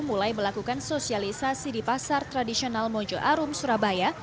mulai melakukan sosialisasi di pasar tradisional mojo arum surabaya